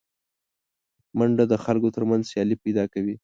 منډه د خلکو تر منځ سیالي پیدا کوي